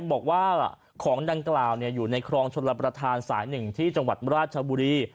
บอกว่าของดังกล่าวอยู่ในครองชนรับประทานสาย๑ที่จังหวัดราชบุรี